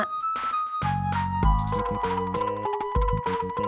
sampai jumpa lagi